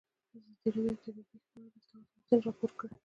ازادي راډیو د طبیعي پېښې په اړه د اصلاحاتو غوښتنې راپور کړې.